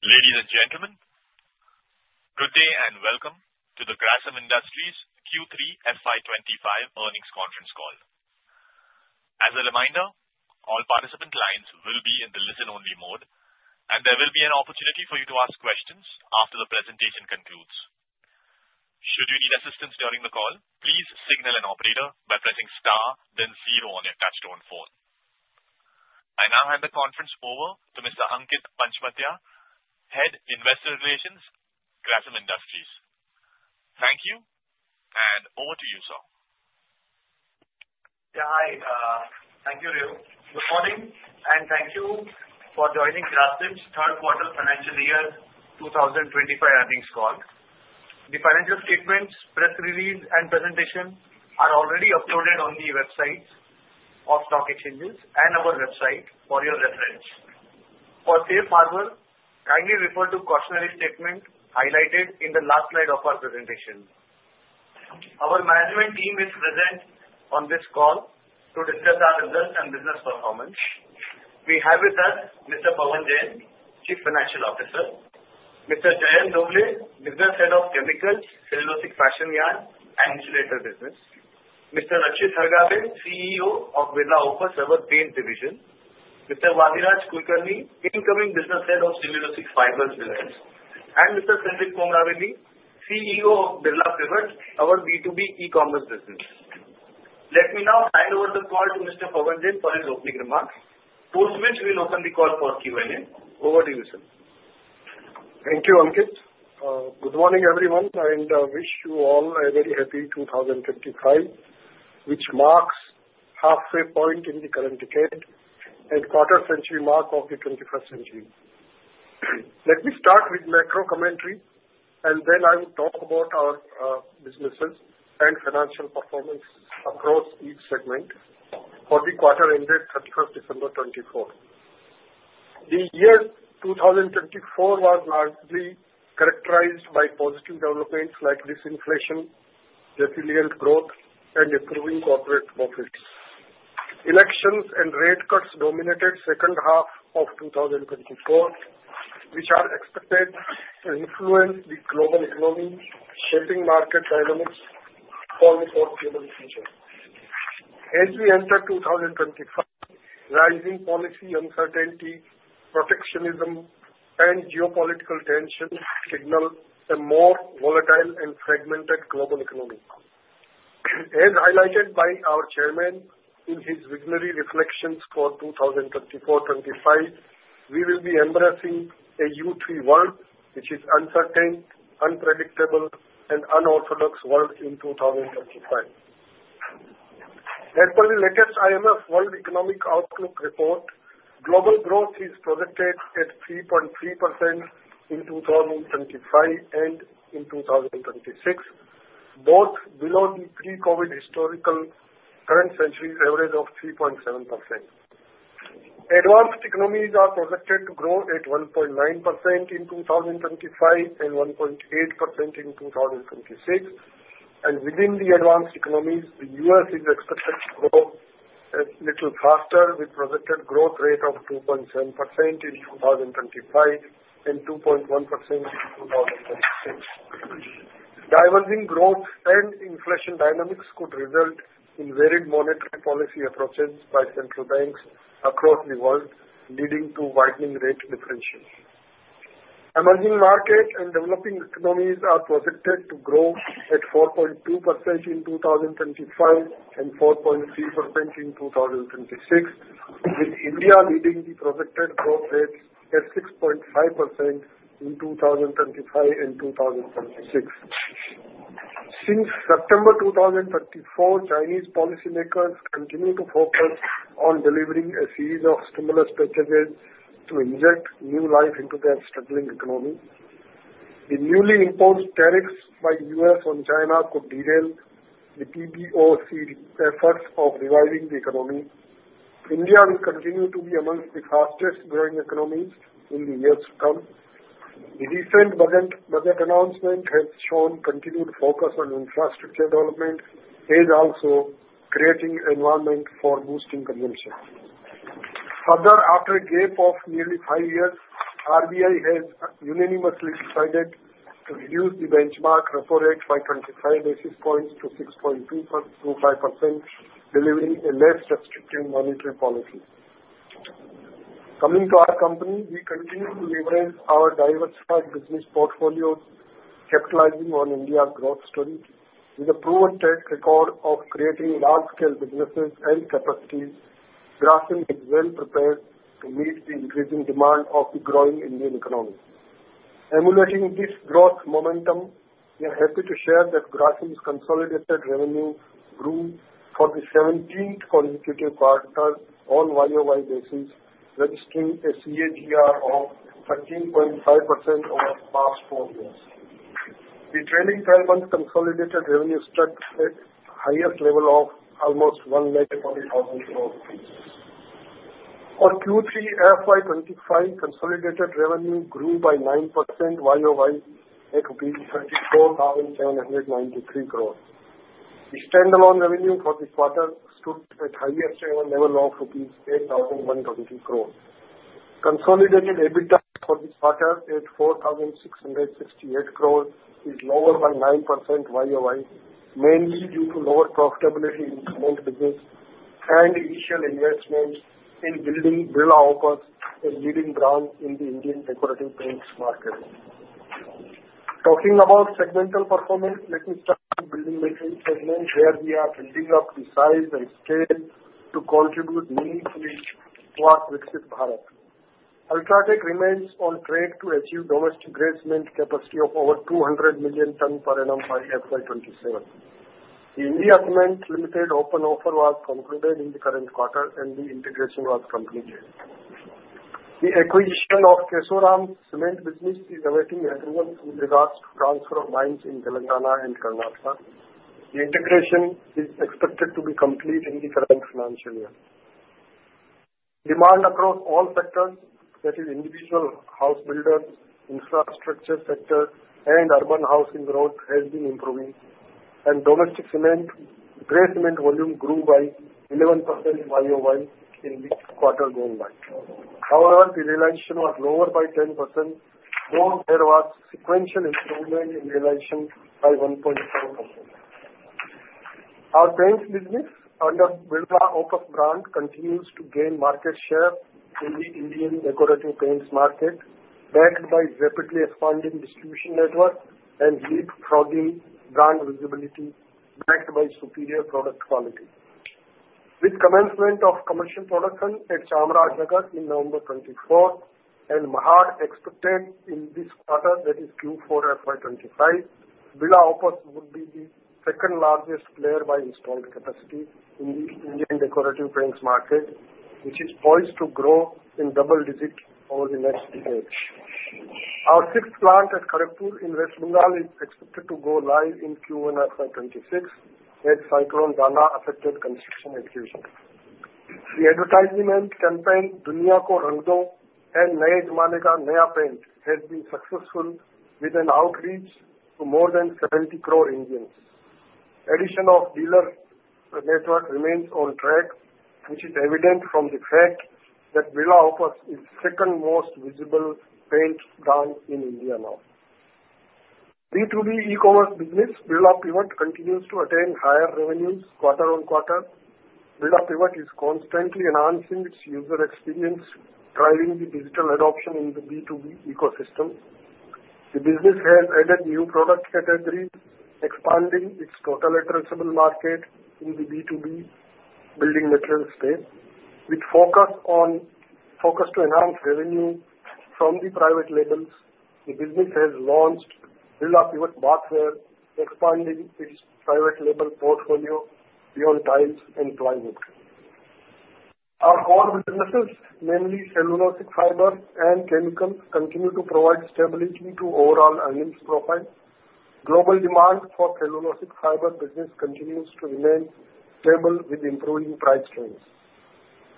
Ladies and gentlemen, good day and welcome to the Grasim Industries Q3 FY 2025 earnings conference call. As a reminder, all participant lines will be in the listen-only mode, and there will be an opportunity for you to ask questions after the presentation concludes. Should you need assistance during the call, please signal an operator by pressing star, then zero on your touch-tone phone. I now hand the conference over to Mr. Ankit Panchmatia, Head Investor Relations, Grasim Industries. Thank you, and over to you, sir. Yeah, hi. Thank you, Rio. Good morning, and thank you for joining Grasim's third quarter financial year 2025 earnings call. The financial statements, press release, and presentation are already uploaded on the VAP sides of stock exchanges and our VAP side for your reference. For safe harbor, kindly refer to the cautionary statement highlighted in the last slide of our presentation. Our management team is present on this call to discuss our results and business performance. We have with us Mr. Pavan Jain, Chief Financial Officer, Mr. Jayant Dhobley, Business Head of Chemicals, Cellulosic Fashion Yarn, and Insulator Business, Mr. Rakshit Hargave, CEO of Birla Opus our paints division, Mr. Vadiraj Kulkarni, Incoming Business Head of Cellulosic Fibers Business, and Mr. Sandeep Komaravelly, CEO of Birla Pivot, our B2B e-commerce business. Let me now hand over the call to Mr. Pavan Jain for his opening remarks, post which we'll open the call for Q&A. Over to you, sir. Thank you, Ankit. Good morning, everyone, and I wish you all a very happy 2025, which marks halfway point in the current decade and quarter-century mark of the 21st century. Let me start with macro commentary, and then I will talk about our businesses and financial performance across each segment for the quarter ended 31st December 2024. The year 2024 was largely characterized by positive developments like disinflation, resilient growth, and improving corporate profits. Elections and rate cuts dominated the second half of 2024, which are expected to influence the global economy, shaping market dynamics for the foreseeable future. As we enter 2025, rising policy uncertainty, protectionism, and geopolitical tensions signal a more volatile and fragmented global economy. As highlighted by our Chairman in his visionary reflections for 2024-25, we will be embracing a U3 world, which is uncertain, unpredictable, and unorthodox world in 2025. As per the latest IMF World Economic Outlook report, global growth is projected at 3.3% in 2025 and in 2026, both below the pre-COVID historical current century average of 3.7%. Advanced economies are projected to grow at 1.9% in 2025 and 1.8% in 2026, and within the advanced economies, the U.S. is expected to grow a little faster, with a projected growth rate of 2.7% in 2025 and 2.1% in 2026. Diverging growth and inflation dynamics could result in varied monetary policy approaches by central banks across the world, leading to widening rate differentials. Emerging markets and developing economies are projected to grow at 4.2% in 2025 and 4.3% in 2026, with India leading the projected growth rates at 6.5% in 2025 and 2026. Since September 2024, Chinese policymakers continue to focus on delivering a series of stimulus packages to inject new life into their struggling economy. The newly imposed tariffs by the U.S. on China could derail the PBOC's efforts of reviving the economy. India will continue to be amongst the fastest-growing economies in the years to come. The recent budget announcement has shown continued focus on infrastructure development, also creating an environment for boosting consumption. Further, after a gap of nearly five years, RBI has unanimously decided to reduce the benchmark repo rate by 25 basis points to 6.25%, delivering a less restrictive monetary policy. Coming to our company, we continue to leverage our diversified business portfolios, capitalizing on India's growth story. With a proven track record of creating large-scale businesses and capacities, Grasim is well prepared to meet the increasing demand of the growing Indian economy. Emulating this growth momentum, we are happy to share that Grasim's consolidated revenue grew for the 17th consecutive quarter, all-year-wide basis, registering a CAGR of 13.5% over the past four years. The trailing 12-month consolidated revenue struck a highest level of almost 140,000. For Q3 FY 2025, consolidated revenue grew by 9% year-over-year at INR 34,793. The standalone revenue for the quarter stood at the highest-ever level of rupees 8,120. Consolidated EBITDA for the quarter at 4,668 is lower by 9% year-over-year, mainly due to lower profitability in cement business and initial investment in building Birla Opus, a leading brand in the Indian decorative paints market. Talking about segmental performance, let me start with building the three segments where we are building up the size and scale to contribute meaningfully to our Viksit Bharat. UltraTech remains on track to achieve domestic grade cement capacity of over 200 million tons per annum by FY 2027. The India Cements Limited open offer was concluded in the current quarter, and the integration was completed. The acquisition of Kesoram Cement Business is awaiting approval with regards to transfer of mines in Telangana and Karnataka. The integration is expected to be complete in the current financial year. Demand across all sectors, that is, individual house builders, infrastructure sector, and urban housing growth, has been improving, and domestic cement gray cement volume grew by 11% year-over-year in the quarter gone by. However, the realization was lower by 10%, though there was sequential improvement in realization by 1.4%. Our paint business under Birla Opus brand continues to gain market share in the Indian decorative paints market, backed by rapidly expanding distribution network and leapfrogging brand visibility, backed by superior product quality. With commencement of commercial production at Chamarajanagar in November 2024 and Mahad expected in this quarter, that is, Q4 FY 2025, Birla Opus would be the second-largest player by installed capacity in the Indian decorative paints market, which is poised to grow in double digits over the next decades. Our sixth plant at Kharagpur in West Bengal is expected to go live in Q1 FY 2026, as Cyclone Dana affected construction execution. The advertising campaign "Duniya Ko Rang Do" and "Naye Zamane Ka Naya Paint" has been successful, with an outreach to more than 70 crore Indians. Addition of dealer network remains on track, which is evident from the fact that Birla Opus is the second most visible paint brand in India now. B2B e-commerce business Birla Pivot continues to attain higher revenues quarter-on-quarter. Birla Pivot is constantly enhancing its user experience, driving the digital adoption in the B2B ecosystem. The business has added new product categories, expanding its total addressable market in the B2B building material space. With focus to enhance revenue from the private labels, the business has launched Birla Pivot Bathware, expanding its private label portfolio beyond tiles and plywood. Our core businesses, namely cellulosic fiber and chemicals, continue to provide stability to overall earnings profile. Global demand for cellulosic fiber business continues to remain stable with improving price trends.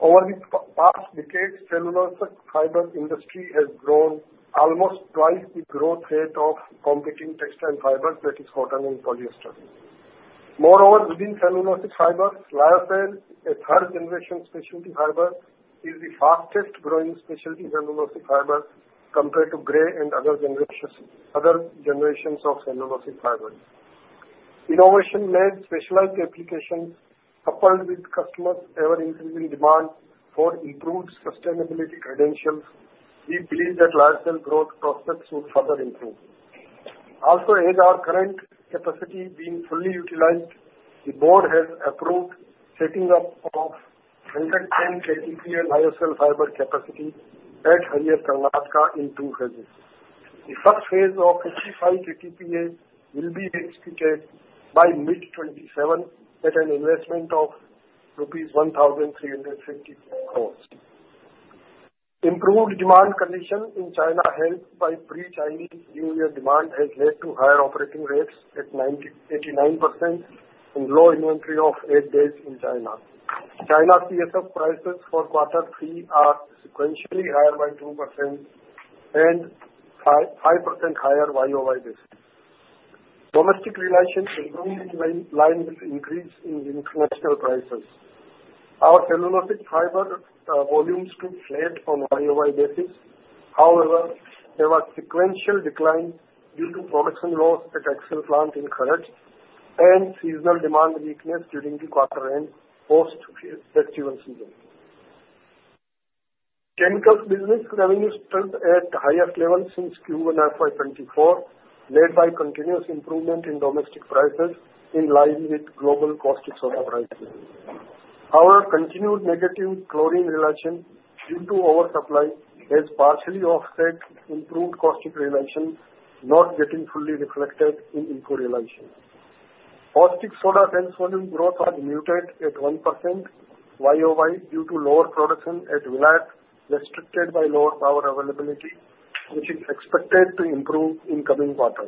Over the past decade, cellulosic fiber industry has grown almost twice the growth rate of competing textile fibers, that is, cotton and polyester. Moreover, within cellulosic fiber, lyocell, a third-generation specialty fiber, is the fastest-growing specialty cellulosic fiber compared to gray and other generations of cellulosic fiber. Innovation-led specialized applications, coupled with customers' ever-increasing demand for improved sustainability credentials, we believe that lyocell growth prospects will further improve. Also, as our current capacity is being fully utilized, the board has approved setting up of 110 KTPA Lyocell fiber capacity at Harihar, Karnataka in two phases. The first phase of 55 KTPA will be executed by mid-2027 at an investment of rupees 1,350 crores. Improved demand conditions in China helped by pre-Chinese New Year demand, which has led to higher operating rates at 89% and low inventory of eight days in China. China's VSF prices for quarter three are sequentially higher by 2% and 5% higher year-over-year basis. Domestic realization is going in line with the increase in international prices. Our cellulosic fiber volumes could flat on a year-over-year basis. However, there was sequential decline due to production loss at Excel Plant in Kharach and seasonal demand weakness during the quarter end post-festival season. Chemicals business revenues stood at the highest level since Q1 FY 2024, led by continuous improvement in domestic prices in line with global caustic soda prices. However, continued negative chlorine realization due to oversupply has partially offset improved caustic realization, not getting fully reflected in input realization. Caustic soda sales volume growth was muted at 1% year-over-year due to lower production at Vilayat, restricted by lower power availability, which is expected to improve in the coming quarter.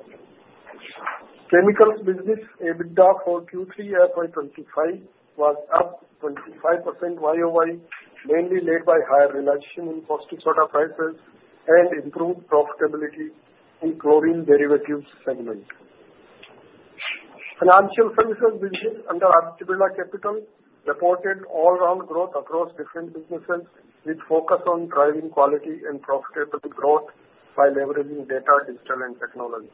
Chemicals business EBITDA for Q3 FY 2025 was up 25% year-over-year, mainly led by higher realization in caustic soda prices and improved profitability in chlorine derivatives segment. Financial services business under Aditya Birla Capital reported all-round growth across different businesses, with focus on driving quality and profitability growth by leveraging data, digital, and technology.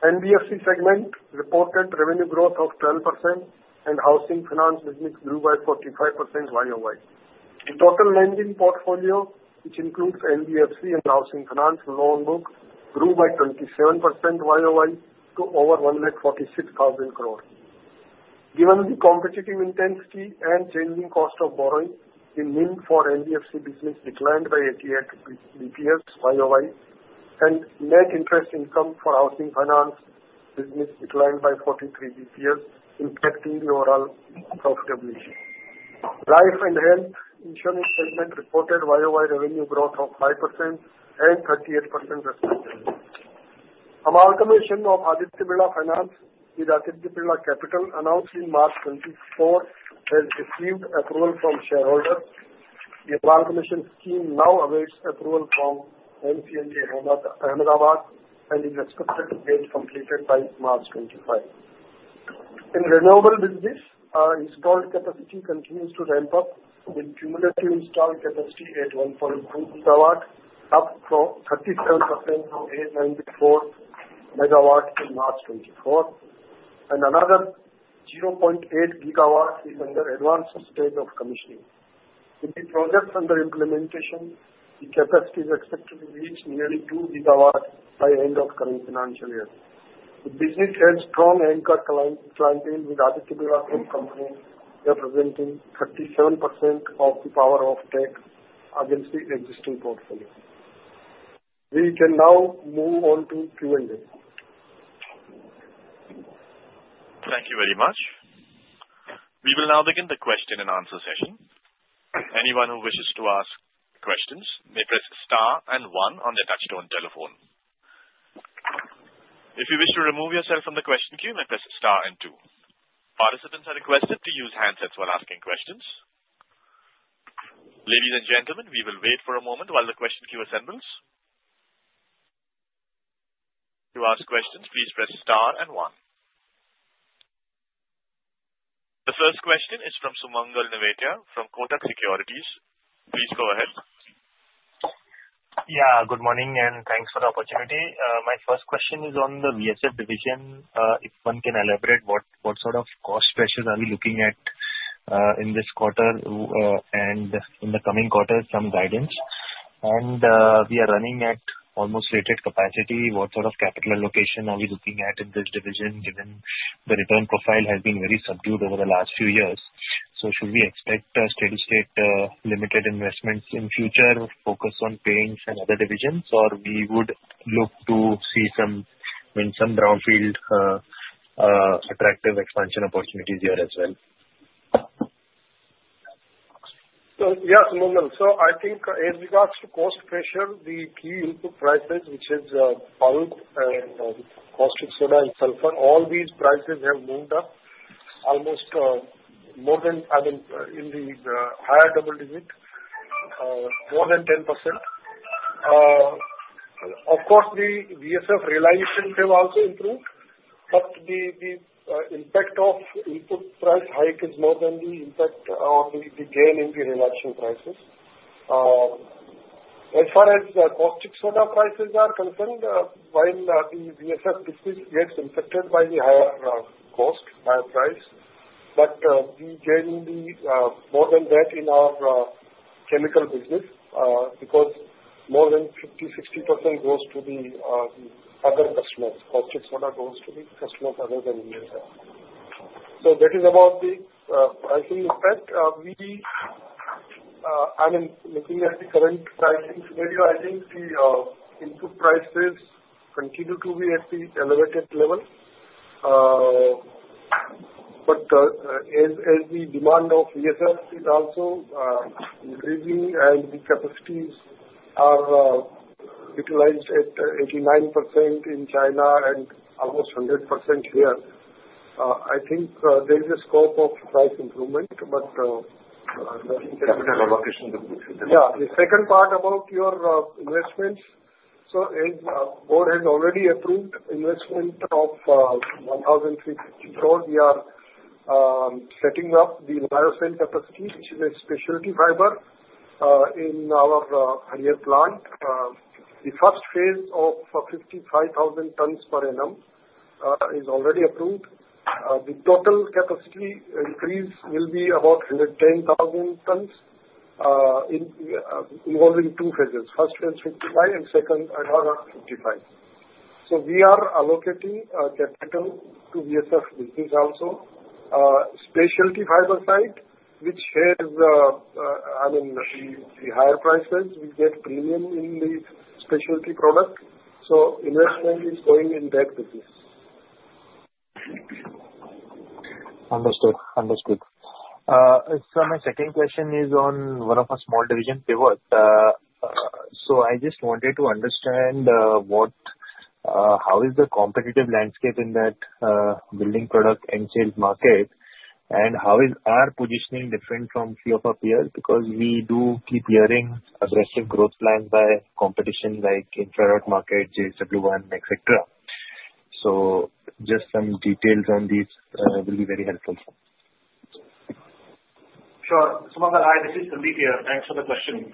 NBFC segment reported revenue growth of 12%, and housing finance business grew by 45% year-over-year. The total lending portfolio, which includes NBFC and housing finance loan book, grew by 27% year-over-year to over 146,000 crores. Given the competitive intensity and changing cost of borrowing, the NIM for NBFC business declined by 88 basis points year-over-year, and net interest income for housing finance business declined by 43 basis points, impacting the overall profitability. Life and health insurance segment reported year-over-year revenue growth of 5% and 38% respectively. Amalgamation of Aditya Birla Finance with Aditya Birla Capital announced in March 2024 has received approval from shareholders. The amalgamation scheme now awaits approval from NCLT Ahmedabad, and is expected to get completed by March 2025. In renewable business, installed capacity continues to ramp up, with cumulative installed capacity at 1.2 GW, up 37% from 894 MW in March 2024, and another 0.8 GW is under advanced stage of commissioning. With the projects under implementation, the capacity is expected to reach nearly 2 GW by the end of the current financial year. The business has a strong anchor clientele with Aditya Birla Group Company, representing 37% of the power offtake in the existing portfolio. We can now move on to Q&A. Thank you very much. We will now begin the question and answer session. Anyone who wishes to ask questions may press Star and 1 on their touchtone telephone. If you wish to remove yourself from the question queue, may press star and two. Participants are requested to use handsets while asking questions. Ladies and gentlemen, we will wait for a moment while the question queue assembles. To ask questions, please press star and one. The first question is from Sumangal Nevatia from Kotak Securities. Please go ahead. Yeah, good morning, and thanks for the opportunity. My first question is on the VSF division. If one can elaborate, what sort of cost pressures are we looking at in this quarter and in the coming quarter? Some guidance. And we are running at almost rated capacity. What sort of capital allocation are we looking at in this division, given the return profile has been very subdued over the last few years? So should we expect steady-state limited investments in future, focus on paints and other divisions, or we would look to see some brownfield attractive expansion opportunities here as well? Yeah, Sumangal, so I think in regards to cost pressure, the key input prices, which is pulp and caustic soda and sulfur, all these prices have moved up almost more than, I mean, in the higher double digits, more than 10%. Of course, the VSF realizations have also improved, but the impact of input price hike is more than the impact on the gain in the realization prices. As far as caustic soda prices are concerned, while the VSF business gets impacted by the higher cost, higher price, but we gain more than that in our chemical business because more than 50%, 60% goes to the other customers. Caustic soda goes to the customers other than VSF. So that is about the pricing effect. I mean, looking at the current pricing scenario, I think the input prices continue to be at the elevated level, but as the demand of VSF is also increasing and the capacities are utilized at 89% in China and almost 100% here, I think there is a scope of price improvement, but looking at the location of the goods. Yeah, the second part about your investments, so the board has already approved investment of 1,350 crores. We are setting up the lyocell capacity, which is a specialty fiber in our Harihar plant. The first phase of 55,000 tons per annum is already approved. The total capacity increase will be about 110,000 tons involving two phases. First Phase LV and second another LV. So we are allocating capital to VSF business also. Specialty fiber side, which has, I mean, the higher prices, we get premium in the specialty product. So investment is going in that business. Understood. Understood. Sir, my second question is on one of our small divisions, Pivot. So I just wanted to understand how is the competitive landscape in that building product end-sale market, and how is our positioning different from a few of our peers? Because we do keep hearing aggressive growth plans by competition like Infra.Market, JSW One, etc. So just some details on these will be very helpful. Sure. Sumangal, Hi. This is Sandeep here. Thanks for the question.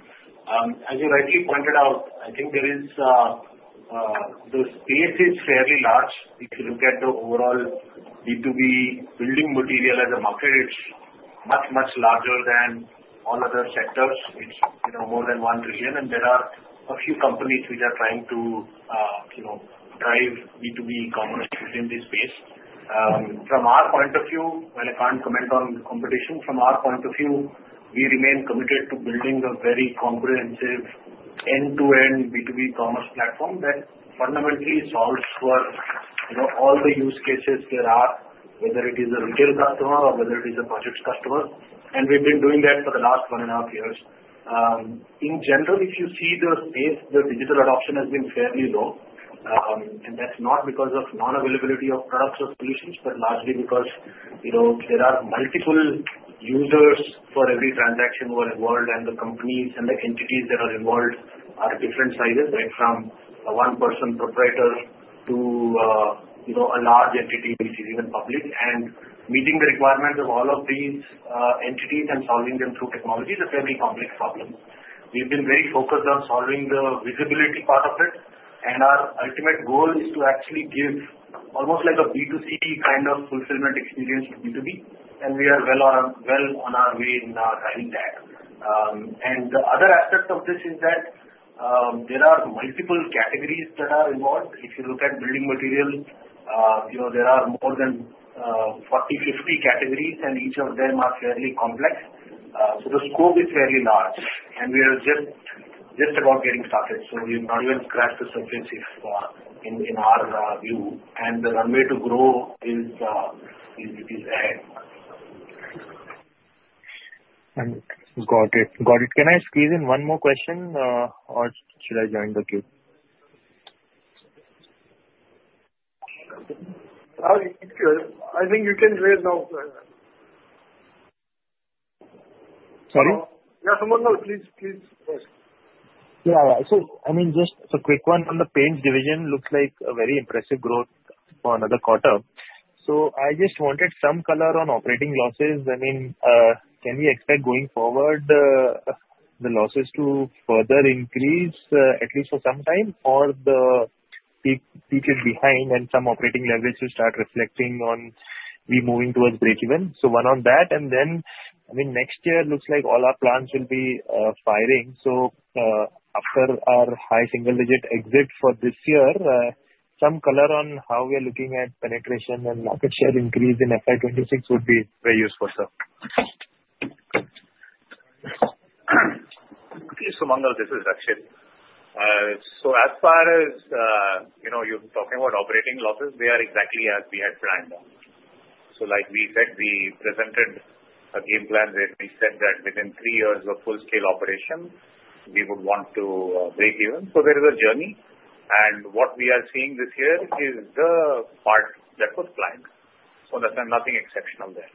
As you rightly pointed out, I think the space is fairly large. If you look at the overall B2B building material as a market, it's much, much larger than all other sectors. It's more than 1 trillion, and there are a few companies which are trying to drive B2B commerce within this space. From our point of view, well, I can't comment on competition. From our point of view, we remain committed to building a very comprehensive end-to-end B2B commerce platform that fundamentally solves for all the use cases there are, whether it is a retail customer or whether it is a project customer. We've been doing that for the last one and a half years. In general, if you see the space, the digital adoption has been fairly low. That's not because of non-availability of products or solutions, but largely because there are multiple users for every transaction who are involved, and the companies and the entities that are involved are different sizes, right from a one-person proprietor to a large entity, which is even public. Meeting the requirements of all of these entities and solving them through technology is a fairly complex problem. We've been very focused on solving the visibility part of it, and our ultimate goal is to actually give almost like a B2C kind of fulfillment experience to B2B, and we are well on our way in driving that. The other aspect of this is that there are multiple categories that are involved. If you look at building materials, there are more than 40, 50 categories, and each of them are fairly complex. So the scope is fairly large, and we are just about getting started. So we have not even scratched the surface in our view, and the runway to grow is ahead. Got it. Got it. Can I squeeze in one more question, or should I join the queue? I think you can join now. Sorry? Yeah, Sumangal, please, please go ahead. Yeah, yeah. So, I mean, just a quick one on the paints division. Looks like a very impressive growth for another quarter. So I just wanted some color on operating losses. I mean, can we expect going forward the losses to further increase at least for some time, or the peak is behind, and some operating leverage will start reflecting on we moving towards breakeven? So one on that. I mean, next year looks like all our plants will be firing. So after our high-single-digit exit for this year, some color on how we are looking at penetration and market share increase in FY 2026 would be very useful. Sumangal, this is Rakshit. So as far as you're talking about operating losses, they are exactly as we had planned. So like we said, we presented a game plan where we said that within three years of full-scale operation, we would want to breakeven. So there is a journey, and what we are seeing this year is the part that was planned. So there's nothing exceptional there.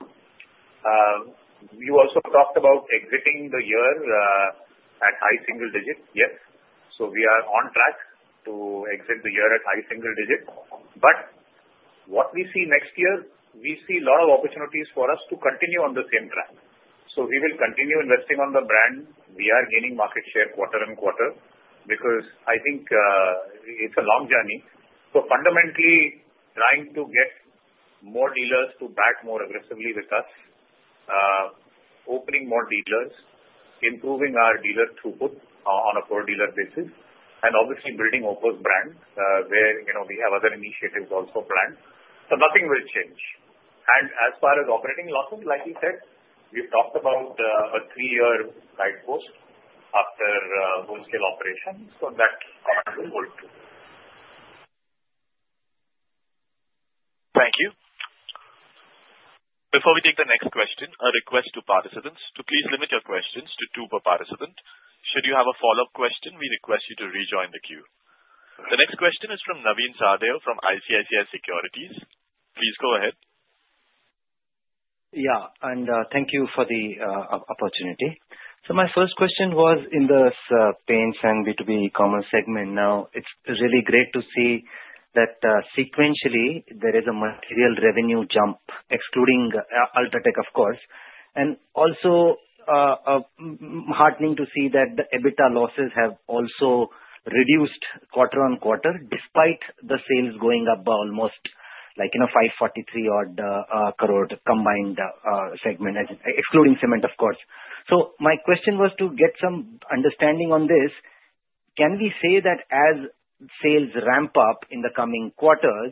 You also talked about exiting the year high-single-digit. yes. So we are on track to exit the year at high-single-digit. But what we see next year, we see a lot of opportunities for us to continue on the same track. So we will continue investing on the brand. We are gaining market share quarter-on-quarter because I think it's a long journey. So fundamentally, trying to get more dealers to back more aggressively with us, opening more dealers, improving our dealer throughput on a per-dealer basis, and obviously building Opus's brand where we have other initiatives also planned. So nothing will change. And as far as operating losses, like you said, we've talked about a three-year guidepost after full-scale operations. So that will hold true. Thank you. Before we take the next question, a request to participants to please limit your questions to two per participant. Should you have a follow-up question, we request you to rejoin the queue. The next question is from Navin Sahadeo from ICICI Securities. Please go ahead. Yeah, and thank you for the opportunity. So my first question was in the paints and B2B commerce segment. Now, it's really great to see that sequentially there is a material revenue jump, excluding UltraTech, of course. And also heartening to see that the EBITDA losses have also reduced quarter-on-quarter despite the sales going up by almost like 543 crore combined segment, excluding cement, of course. So my question was to get some understanding on this. Can we say that as sales ramp up in the coming quarters,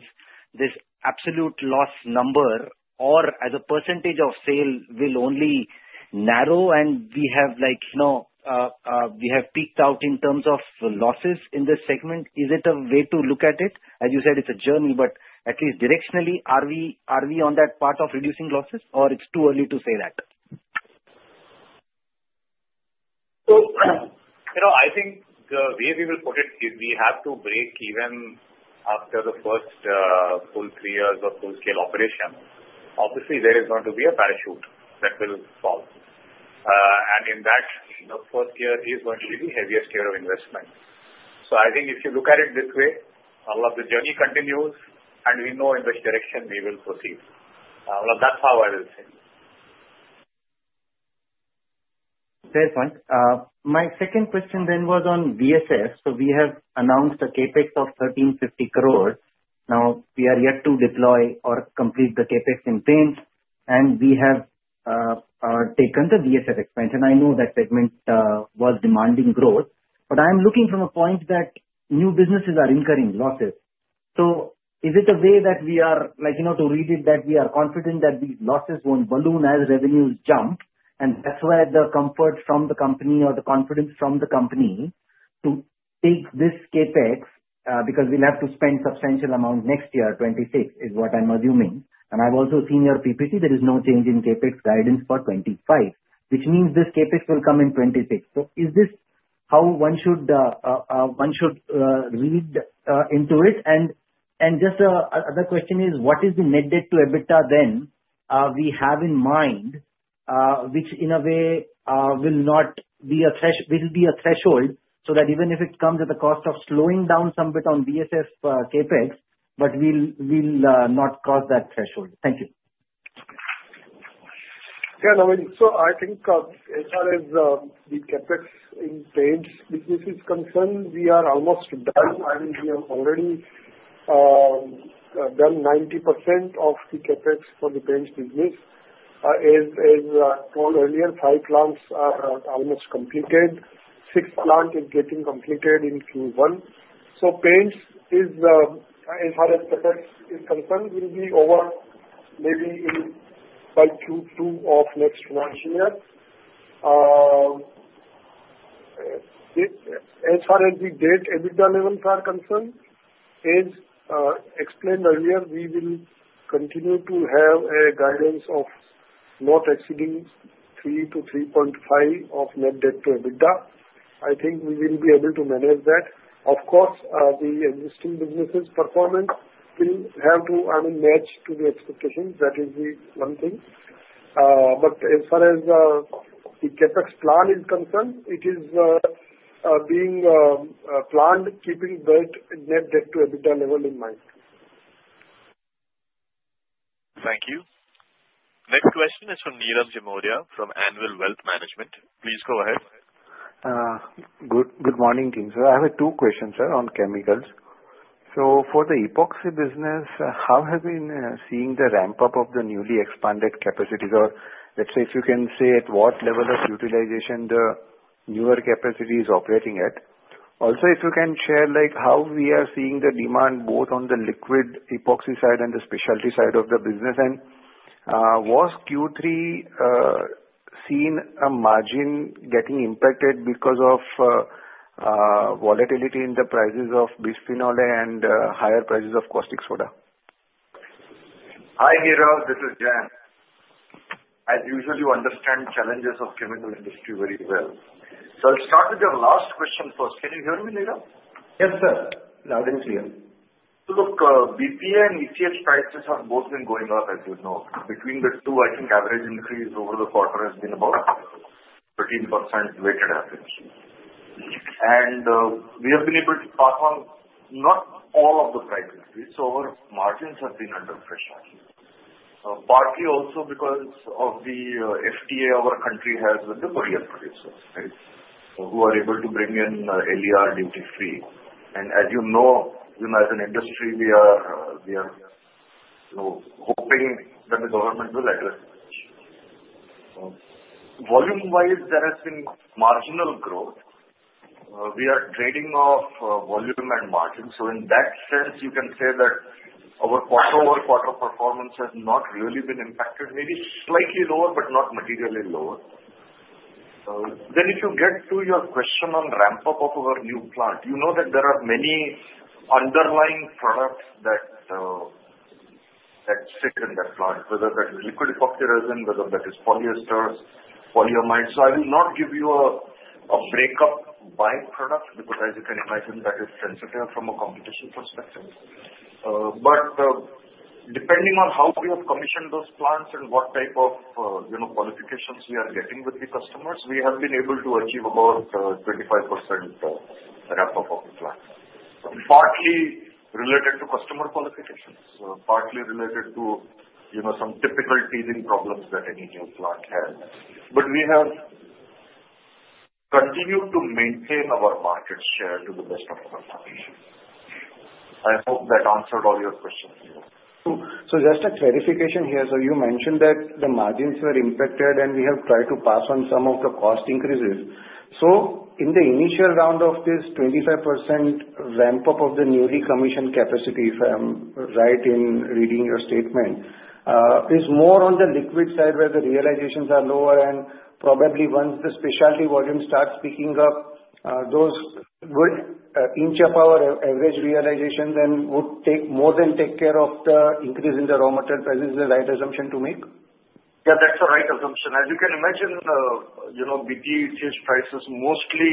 this absolute loss number or as a percentage of sale will only narrow, and we have peaked out in terms of losses in this segment? Is it a way to look at it? As you said, it's a journey, but at least directionally, are we on that part of reducing losses, or it's too early to say that? So I think the way we will put it is we have to break even after the first full three years of full-scale operation. Obviously, there is going to be a parachute that will fall. And in that, the first year is going to be the heaviest year of investment. So I think if you look at it this way, a lot of the journey continues, and we know in which direction we will proceed. That's how I will say. Very fine. My second question then was on VSF. So we have announced a CapEx of 1,350 crore. Now, we are yet to deploy or complete the CapEx in paints, and we have taken the VSF expansion. I know that segment was demanding growth, but I am looking from a point that new businesses are incurring losses. So is it a way that we are to read it that we are confident that these losses won't balloon as revenues jump, and that's where the comfort from the company or the confidence from the company to take this CapEx, because we'll have to spend a substantial amount next year, 2026, is what I'm assuming, and I've also seen your PPT; there is no change in CapEx guidance for 2025, which means this CapEx will come in 2026, so is this how one should read into it? Just another question is, what is the net debt to EBITDA then we have in mind, which in a way will not be a threshold so that even if it comes at the cost of slowing down some bit on VSF CapEx, but we'll not cross that threshold? Thank you. Yeah, Navin, so I think as far as the CapEx in paints business is concerned, we are almost done. I mean, we have already done 90% of the CapEx for the paints business. As told earlier, five plants are almost completed. Sixth plant is getting completed in Q1. So paints, as far as CapEx is concerned, will be over maybe by Q2 of next financial year. As far as the debt EBITDA levels are concerned, as explained earlier, we will continue to have a guidance of not exceeding 3x-3.5x of net debt to EBITDA. I think we will be able to manage that. Of course, the existing businesses' performance will have to, I mean, match to the expectations. That is the one thing. But as far as the CapEx plan is concerned, it is being planned, keeping that net debt to EBITDA level in mind. Thank you. Next question is from Nirav Jimudia from Anvil Wealth Management. Please go ahead. Good morning, Team. So I have two questions, sir, on chemicals. So for the epoxy business, how have we been seeing the ramp-up of the newly expanded capacities? Or let's say, if you can say at what level of utilization the newer capacity is operating at. Also, if you can share how we are seeing the demand both on the liquid epoxy side and the specialty side of the business. Was Q3 seen a margin getting impacted because of volatility in the prices of bisphenol A and higher prices of caustic soda? Hi, Nirav. This is Jayant. As usual, you understand challenges of the chemical industry very well. So I'll start with the last question first. Can you hear me, Nirav? Yes, sir. Loud and clear. Look, BPA and ECH prices have both been going up, as you know. Between the two, I think average increase over the quarter has been about 13% weighted average. And we have been able to pass on not all of the prices, right? So our margins have been under pressure. Partly also because of the FTA our country has with the Korean producers, right, who are able to bring in epoxy duty-free. And as you know, as an industry, we are hoping that the government will address the issue. Volume-wise, there has been marginal growth. We are trading off volume and margin. So in that sense, you can say that our quarter-over-quarter performance has not really been impacted. Maybe slightly lower, but not materially lower. Then if you get to your question on ramp-up of our new plant, you know that there are many underlying products that sit in that plant, whether that is liquid epoxy resin, whether that is polyester, polyamide. So I will not give you a breakup by product because, as you can imagine, that is sensitive from a competition perspective. But depending on how we have commissioned those plants and what type of qualifications we are getting with the customers, we have been able to achieve about 25% ramp-up of the plant. Partly related to customer qualifications, partly related to some typical teething problems that any new plant has. But we have continued to maintain our market share to the best of our knowledge. I hope that answered all your questions here. So just a clarification here. So you mentioned that the margins were impacted, and we have tried to pass on some of the cost increases. So in the initial round of this 25% ramp-up of the newly commissioned capacity, if I'm right in reading your statement, is more on the liquid side where the realizations are lower. And probably once the specialty volume starts picking up, those would inch up our average realizations and would more than take care of the increase in the raw material prices. Is that the right assumption to make? Yeah, that's a right assumption. As you can imagine, BPA ECH prices mostly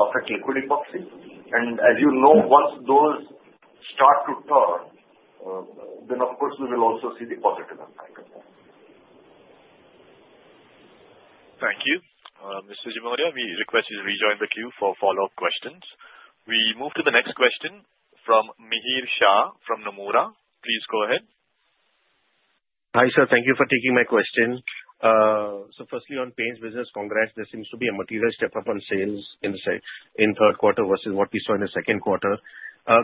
affect liquid epoxy. And as you know, once those start to turn, then of course we will also see the positive impact. Thank you. Mr. Jimudia, we request you to rejoin the queue for follow-up questions. We move to the next question from Mihir Shah from Nomura. Please go ahead. Hi, sir. Thank you for taking my question. So firstly, on paints business, congrats. There seems to be a material step-up on sales in the third quarter versus what we saw in the second quarter.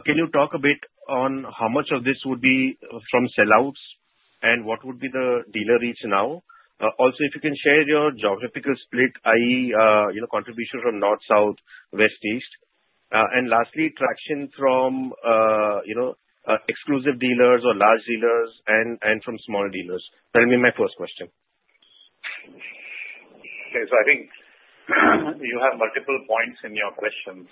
Can you talk a bit on how much of this would be from sellouts and what would be the dealer reach now? Also, if you can share your geographical split, i.e., contribution from north, south, west-east. And lastly, traction from exclusive dealers or large dealers and from small dealers. That will be my first question. Okay, so I think you have multiple points in your questions.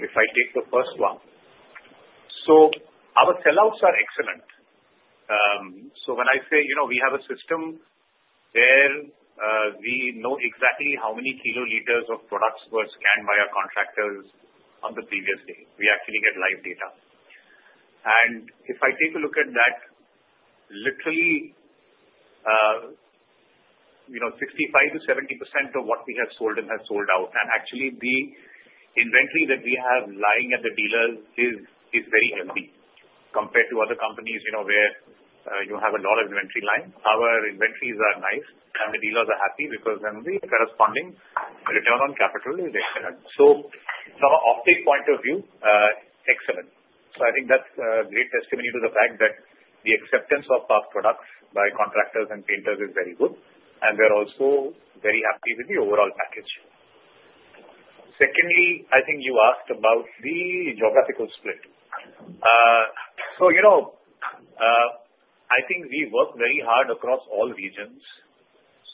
If I take the first one, our sellouts are excellent. When I say we have a system where we know exactly how many kiloliters of products were scanned by our contractors on the previous day, we actually get live data. And if I take a look at that, literally 65%-70% of what we have sold in has sold out. And actually, the inventory that we have lying at the dealers is very heavy compared to other companies where you have a lot of inventory lying. Our inventories are nice, and the dealers are happy because then the corresponding return on capital is excellent. From an optic point of view, excellent. I think that's a great testimony to the fact that the acceptance of our products by contractors and painters is very good, and they're also very happy with the overall package. Secondly, I think you asked about the geographical split. So I think we work very hard across all regions.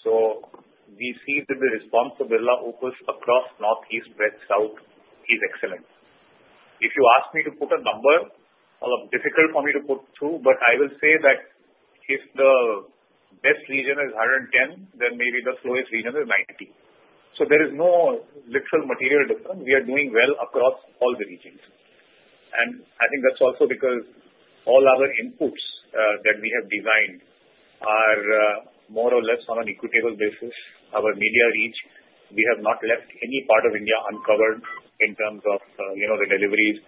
So we see that the response of Opus across north, east, west, south is excellent. If you ask me to put a number, it's difficult for me to put true, but I will say that if the best region is 110, then maybe the slowest region is 90. So there is no material difference. We are doing well across all the regions. And I think that's also because all other inputs that we have designed are more or less on an equitable basis. Our media reach, we have not left any part of India uncovered in terms of the deliveries.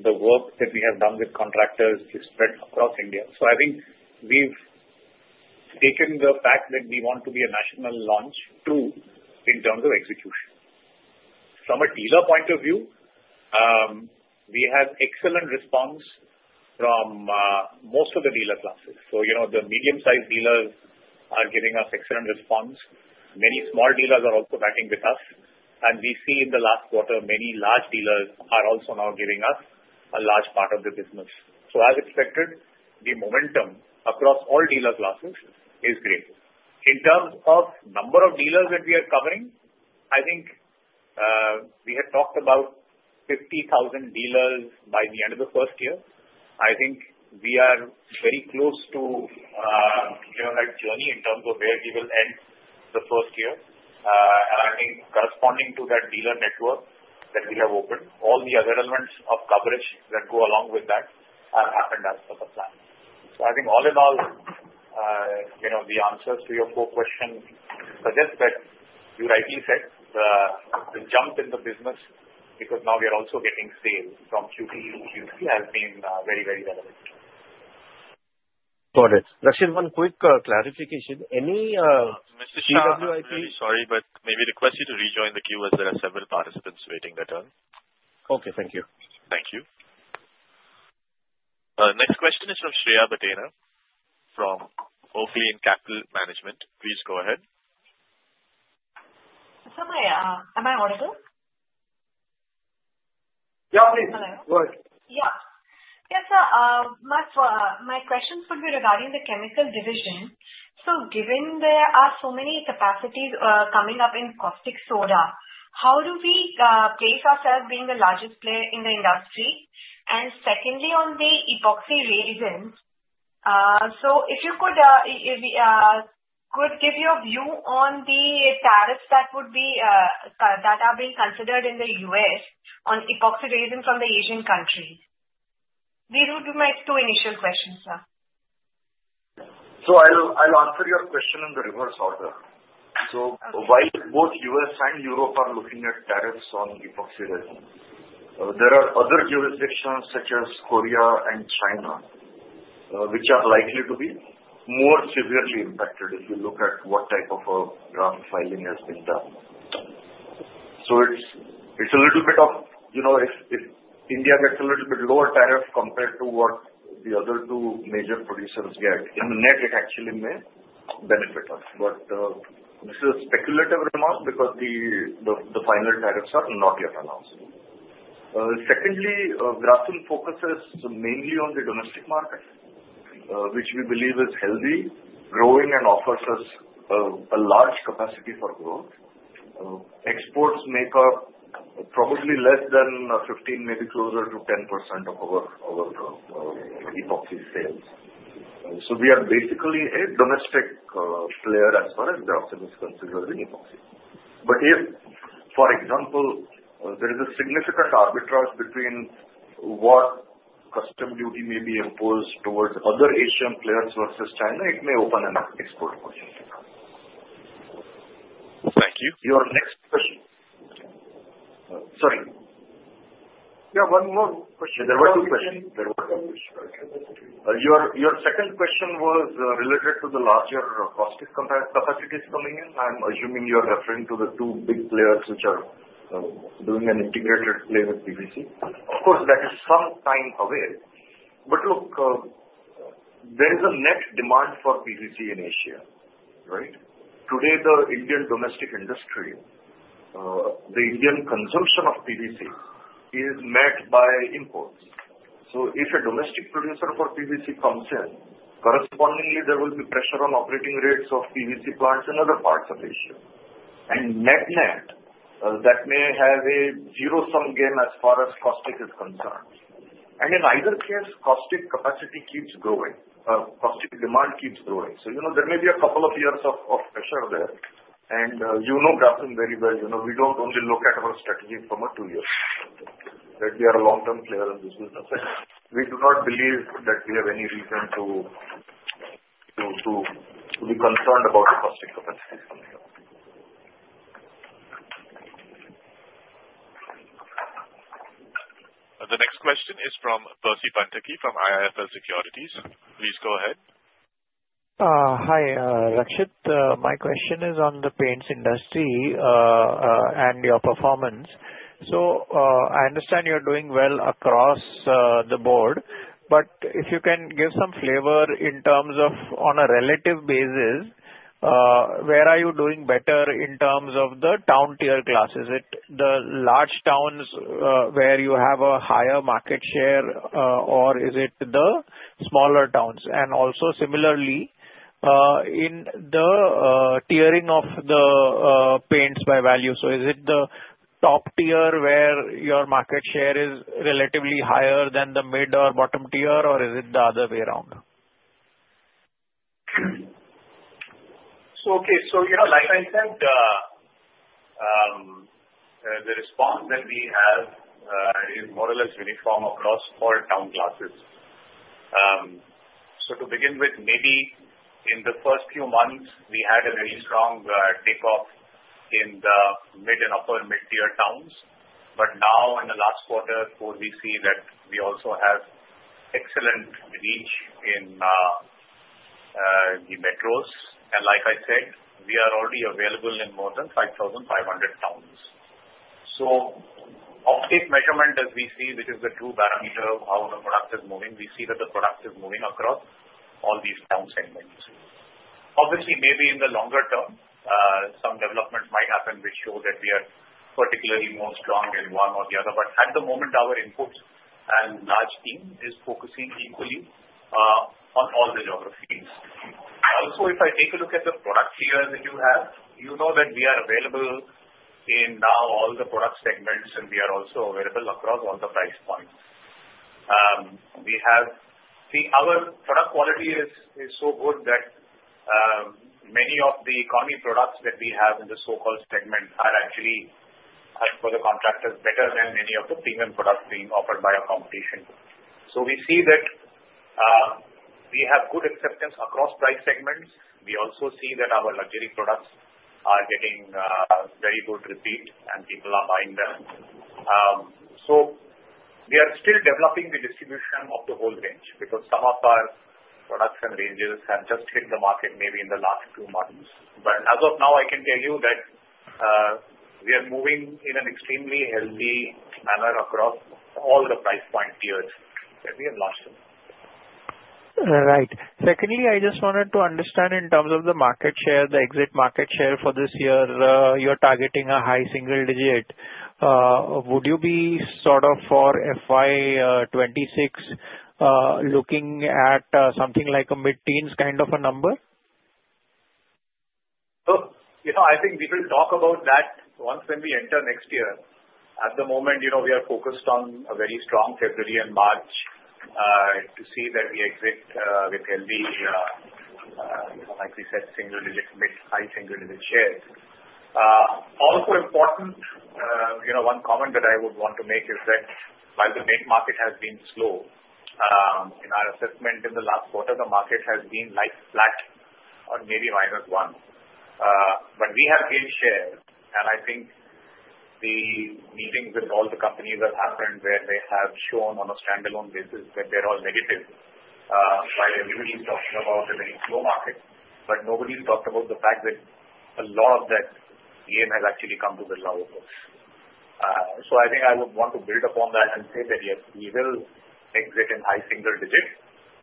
The work that we have done with contractors is spread across India. So I think we've taken the fact that we want to be a national launch true in terms of execution. From a dealer point of view, we have excellent response from most of the dealer classes. So the medium-sized dealers are giving us excellent response. Many small dealers are also batting with us. And we see in the last quarter many large dealers are also now giving us a large part of the business. So as expected, the momentum across all dealer classes is great. In terms of number of dealers that we are covering, I think we had talked about 50,000 dealers by the end of the first year. I think we are very close to that journey in terms of where we will end the first year. I think corresponding to that dealer network that we have opened, all the other elements of coverage that go along with that have happened as per the plan. So I think all in all, the answers to your four questions suggest that you rightly said the jump in the business, because now we are also getting sales from Q2-Q3, has been very, very relevant. Got it. Rakshit, one quick clarification. Any CWIP? Sorry, but maybe request you to rejoin the queue as there are several participants waiting their turn. Okay, thank you. Thank you. Next question is from Shreya Banthia from Oaklane Capital Management. Please go ahead. Hi, sir. Am I audible? Yeah, please. Hello. Good. Yeah. Yes, sir. My questions would be regarding the chemical division. So given there are so many capacities coming up in caustic soda, how do we place ourselves being the largest player in the industry? And secondly, on the epoxy resins, so if you could give your view on the tariffs that are being considered in the U.S. on epoxy resins from the Asian countries. These would be my two initial questions, sir. I'll answer your question in the reverse order. While both U.S. and Europe are looking at tariffs on epoxy resins, there are other jurisdictions such as Korea and China, which are likely to be more severely impacted if you look at what type of anti-dumping filing has been done. It's a little bit of if India gets a little bit lower tariff compared to what the other two major producers get, in the net, it actually may benefit us. But this is a speculative remark because the final tariffs are not yet announced. Secondly, Grasim focuses mainly on the domestic market, which we believe is healthy, growing, and offers us a large capacity for growth. Exports make up probably less than 15, maybe closer to 10% of our epoxy sales. So we are basically a domestic player as far as Grasim is considered in epoxy. But if, for example, there is a significant arbitrage between what customs duty may be imposed towards other Asian players versus China, it may open an export opportunity. Thank you. Your next question. Sorry. Yeah, one more question. There were two questions. There were two questions. Your second question was related to the larger caustic capacities coming in. I'm assuming you're referring to the two big players which are doing an integrated play with PVC. Of course, that is some time away. But look, there is a net demand for PVC in Asia, right? Today, the Indian domestic industry, the Indian consumption of PVC is met by imports. So if a domestic producer for PVC comes in, correspondingly, there will be pressure on operating rates of PVC plants in other parts of Asia. And net-net, that may have a zero-sum game as far as caustic is concerned. And in either case, caustic capacity keeps growing. Caustic demand keeps growing. So there may be a couple of years of pressure there. And you know Grasim very well. We don't only look at our strategy from a two-year perspective, that we are a long-term player in this business. We do not believe that we have any reason to be concerned about the caustic capacity coming up. The next question is from Percy Panthaki from IIFL Securities. Please go ahead. Hi, Rakshit. My question is on the paints industry and your performance. So I understand you're doing well across the board, but if you can give some flavor in terms of on a relative basis, where are you doing better in terms of the town-tier class? Is it the large towns where you have a higher market share, or is it the smaller towns? And also, similarly, in the tiering of the paints by value, so is it the top tier where your market share is relatively higher than the mid or bottom tier, or is it the other way around? Okay, so like I said, the response that we have is more or less uniform across all town classes. So to begin with, maybe in the first few months, we had a very strong takeoff in the mid and upper mid-tier towns. But now, in the last quarter, we see that we also have excellent reach in the metros. And like I said, we are already available in more than 5,500 towns. So offtake measurement, as we see, which is the true barometer of how the product is moving, we see that the product is moving across all these town segments. Obviously, maybe in the longer term, some developments might happen which show that we are particularly more strong in one or the other. But at the moment, our input and large team is focusing equally on all the geographies. Also, if I take a look at the product tier that you have, you know that we are available in now all the product segments, and we are also available across all the price points. See, our product quality is so good that many of the economy products that we have in the so-called segment are actually for the contractors better than any of the premium products being offered by our competition. So we see that we have good acceptance across price segments. We also see that our luxury products are getting very good reception, and people are buying them. So we are still developing the distribution of the whole range because some of our product ranges have just hit the market maybe in the last two months. But as of now, I can tell you that we are moving in an extremely healthy manner across all the price point tiers that we have launched. Right. Secondly, I just wanted to understand in terms of the market share, the exit market share for this year, you're targeting high-single-digit. would you be sort of for FY 2026 looking at something like a mid-teens kind of a number? I think we will talk about that once when we enter next year. At the moment, we are focused on a very strong February and March to see that we exit the year with, like we said, mid- to high-single-digit shares. Also important, one comment that I would want to make is that while the main market has been slow, in our assessment in the last quarter, the market has been like flat or maybe -1%. But we have gained share. And I think the meetings with all the companies that have happened where they have shown on a standalone basis that they're all negative while everybody's talking about a very slow market, but nobody's talked about the fact that a lot of that gain has actually come to the P&L books. So I think I would want to build upon that and say that, yes, we will exit high-single-digit.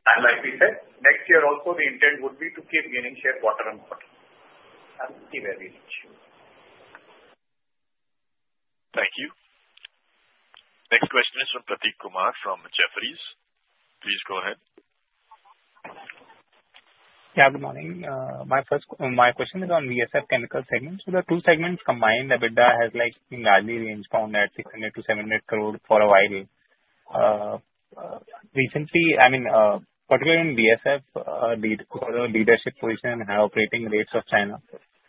and like we said, next year also, the intent would be to keep gaining share quarter-on-quarter. I don't see where we need to. Thank you. Next question is from Prateek Kumar from Jefferies. Please go ahead. Yeah, good morning. My question is on VSF chemical segments. So the two segments combined, Aditya has largely ranged around at 600-700 crore for a while. Recently, I mean, particularly in VSF, the leadership position and high operating rates of China.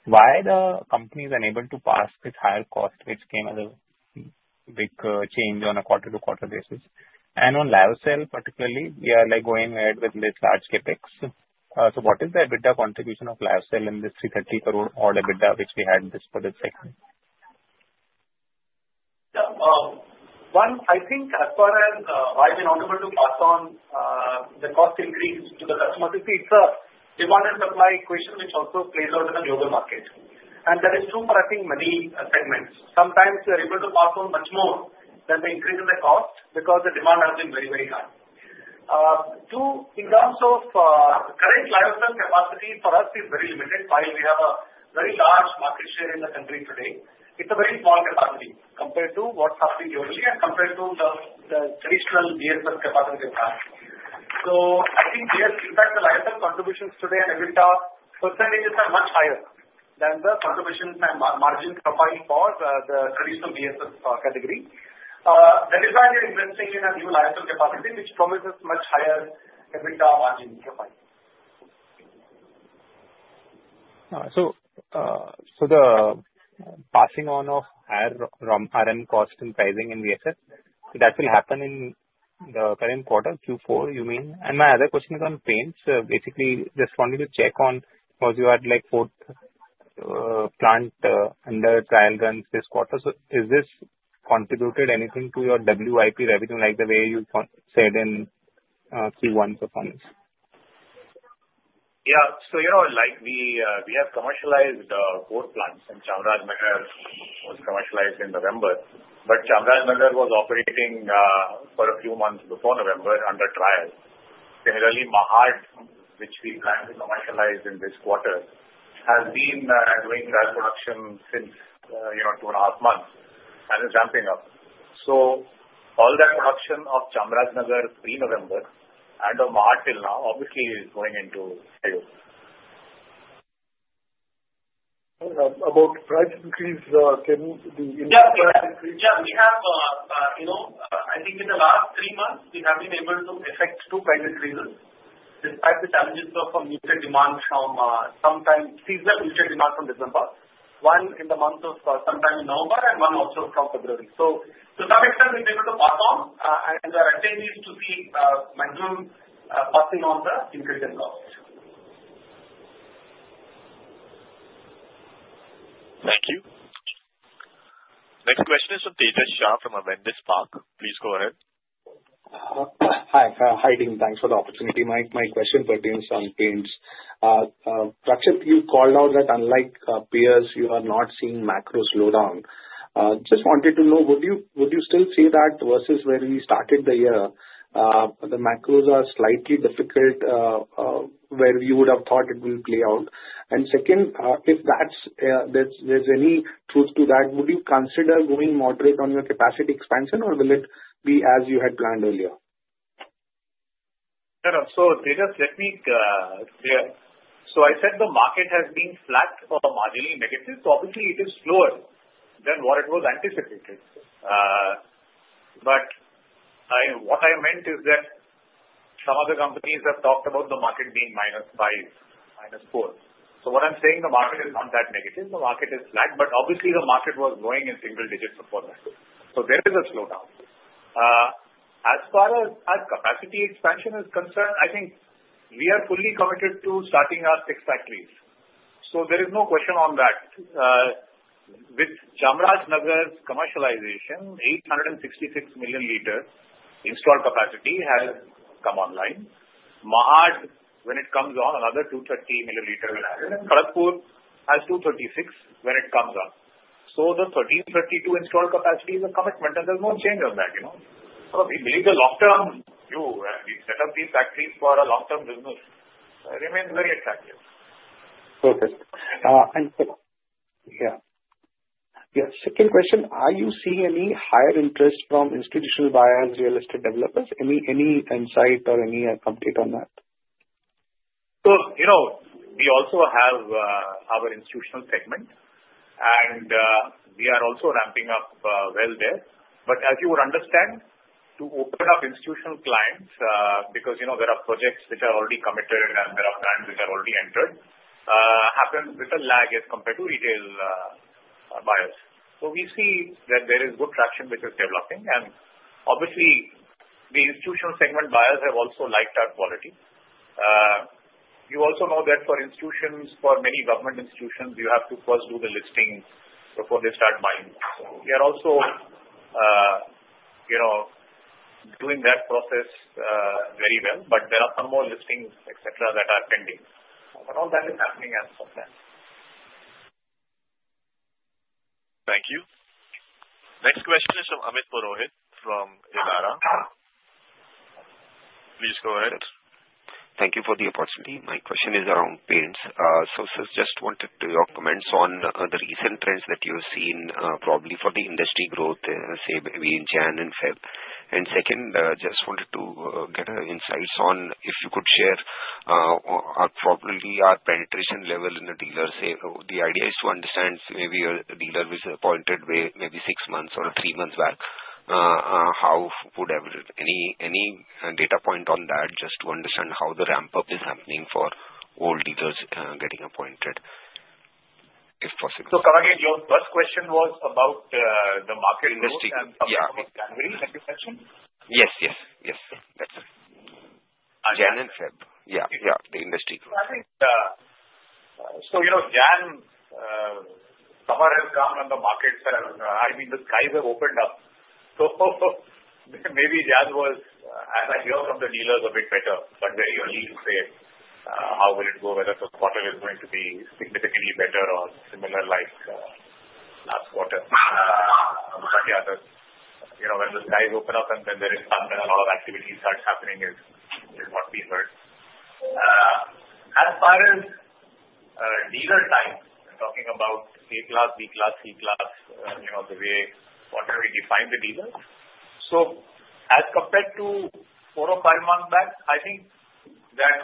Why are the companies unable to pass this higher cost, which came as a big change on a quarter-to-quarter basis? And on Lyocell, particularly, we are going ahead with this large CapEx. So what is the EBITDA contribution of Lyocell in this 330 crore EBITDA which we had this particular segment? Yeah. Well, I think as far as why we're not able to pass on the cost increase to the customers, it's a demand and supply equation which also plays out in the global market. And that is true for, I think, many segments. Sometimes we are able to pass on much more than the increase in the cost because the demand has been very, very high. In terms of current Lyocell capacity for us, it's very limited. While we have a very large market share in the country today, it's a very small capacity compared to what's happening globally and compared to the traditional VSF capacity. So I think, yes, in fact, the Lyocell contributions today and EBITDA percentages are much higher than the contributions and margin profile for the traditional VSF category. That is why we're investing in a new Lyocell capacity, which promises much higher EBITDA margin profile. So the passing on of higher RM cost and pricing in VSF, that will happen in the current quarter, Q4, you mean? And my other question is on paints. Basically, just wanted to check on because you had fourth plant under trial runs this quarter. So has this contributed anything to your WIP revenue, like the way you said in Q1 performance? Yeah. So we have commercialized four plants, and Chamarajanagar was commercialized in November. But Chamarajanagar was operating for a few months before November under trial. Similarly, Mahad, which we plan to commercialize in this quarter, has been doing trial production since two and a half months and is ramping up. So all that production of Chamarajanagar pre-November and of Mahad till now, obviously, is going into sales. About price increase. Yeah, we have. I think in the last three months, we have been able to effect two price increases despite the challenges of muted demand from some seasonal muted demand from December, one in the month of sometime in November, and one also from February. So to some extent, we've been able to pass on, and we intend to see maximum passing on the increase in cost. Thank you. Next question is from Tejas Shah from Avendus Spark. Please go ahead. Hi, everyone. Thanks for the opportunity. My question pertains to paints. Rakshit, you called out that unlike peers, you are not seeing macro slowdown. Just wanted to know, would you still see that versus where we started the year? The macros are slightly difficult where you would have thought it will play out. And second, if there's any truth to that, would you consider going moderate on your capacity expansion, or will it be as you had planned earlier? So Tejas, let me clarify. So I said the market has been flat or marginally negative. So obviously, it is slower than what it was anticipated. But what I meant is that some of the companies have talked about the market being -5%, -4%. So what I'm saying, the market is not that negative. The market is flat. But obviously, the market was growing in single-digit performance. So there is a slowdown. As far as capacity expansion is concerned, I think we are fully committed to starting our six factories. So there is no question on that. With Chamarajanagar's commercialization, 866 million liters installed capacity has come online. Mahad, when it comes on, another 230 million liters will add it. And Kharagpur has 236 when it comes on. So the 1332 installed capacity is a commitment, and there's no change on that. So we believe the long-term view, as we set up these factories for a long-term business, remains very attractive. Perfect. And yeah. Yeah. Second question, are you seeing any higher interest from institutional buyers, real estate developers? Any insight or any update on that? So we also have our institutional segment, and we are also ramping up well there. But as you would understand, to open up institutional clients because there are projects which are already committed and there are clients which are already entered, happens with a lag as compared to retail buyers. So we see that there is good traction, which is developing. And obviously, the institutional segment buyers have also liked our quality. You also know that for institutions, for many government institutions, you have to first do the listing before they start buying. So we are also doing that process very well. But there are some more listings, etc., that are pending. But all that is happening at some time. Thank you. Next question is from Amit Purohit from Elara. Please go ahead. Thank you for the opportunity. My question is around paints. I just wanted your comments on the recent trends that you've seen, probably for the industry growth, say, between January and February. And second, I just wanted to get insights on if you could share probably our penetration level in the dealers. The idea is to understand maybe a dealer which is appointed maybe six months or three months back. How would any data point on that just to understand how the ramp-up is happening for old dealers getting appointed, if possible? So Rakshit, your first question was about the market. Industry. Yeah. In January, like you mentioned? Yes, yes, yes. That's right. January and February. Yeah, yeah, the industry. So Jan, Summer has come on the market. I mean, the skies have opened up. So maybe January was, as I hear from the dealers, a bit better. But very early to say how it will go, whether the quarter is going to be significantly better or similar like last quarter. But yeah, when the skies open up and then there is something and a lot of activity starts happening is what we heard. As far as dealer time, I'm talking about A-class, B-class, C-class, the way whatever we define the dealers. So as compared to four or five months back, I think that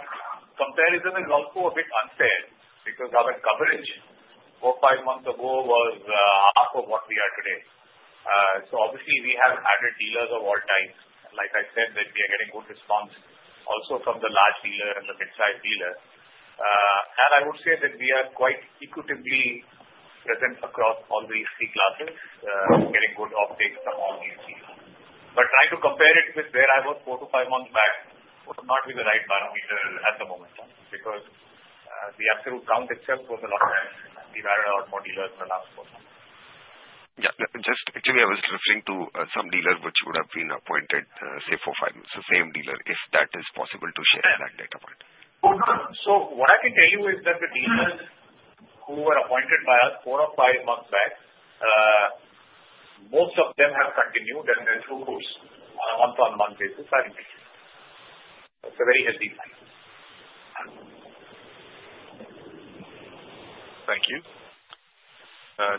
comparison is also a bit unfair because our coverage four or five months ago was half of what we are today. So obviously, we have added dealers of all types. Like I said, that we are getting good response also from the large dealer and the mid-size dealer. And I would say that we are quite equitably present across all the C-classes, getting good updates from all these teams. But trying to compare it with where I was four to five months back would not be the right barometer at the moment because the absolute count itself was a lot less. We've added a lot more dealers in the last quarter. Yeah. Actually, I was referring to some dealers which would have been appointed, say, four or five months, the same dealer, if that is possible to share that data point. So what I can tell you is that the dealers who were appointed by us four or five months back, most of them have continued and then throughputs on a month-on-month basis are increasing. It's a very healthy sign. Thank you.